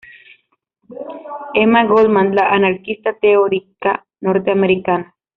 Emma Goldman, la anarquista teórica norteamericana.